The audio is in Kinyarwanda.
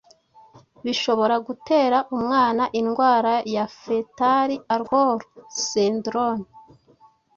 bishobora gutera umwana indwara ya fetal alcohol syndrome